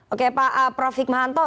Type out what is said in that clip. oke pak prof fikmahanto